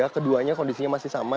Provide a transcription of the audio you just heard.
keduanya kondisinya masih sama